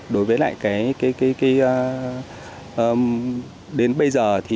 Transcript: đối với lại đến bây giờ